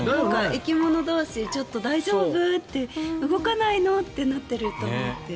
生き物同士、大丈夫？って動かないの？ってなってるって思って。